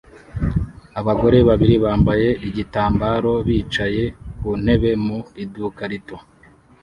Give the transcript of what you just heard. Abagore babiri bambaye igitambaro bicaye ku ntebe mu iduka rito